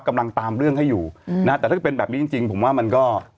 กำลังตามเรื่องให้อยู่นะฮะแต่ถ้าเป็นแบบนี้จริงจริงผมว่ามันก็